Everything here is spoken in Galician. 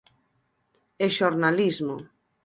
E xornalismo.